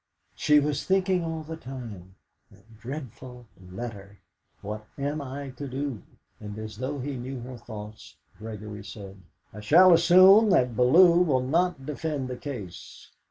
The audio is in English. She was thinking all the time: 'That dreadful letter! What am I to do?' And as though he knew her thoughts, Gregory said: "I shall assume that Bellew will not defend the case.